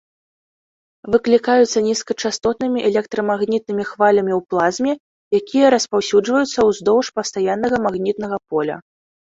Выклікаюцца нізкачастотнымі электрамагнітнымі хвалямі ў плазме, якія распаўсюджваюцца ўздоўж пастаяннага магнітнага поля.